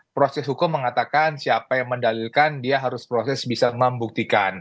proses hukum mengatakan siapa yang mendalilkan dia harus proses bisa membuktikan